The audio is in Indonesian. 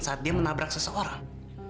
saat dia menabrak seseorang